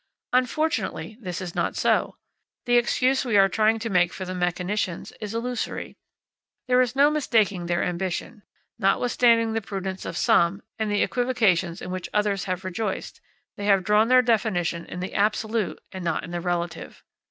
Unfortunately, this is not so. The excuse we are trying to make for the mechanicians is illusory. There is no mistaking their ambition, Notwithstanding the prudence of some and the equivocations in which others have rejoiced, they have drawn their definition in the absolute and not in the relative.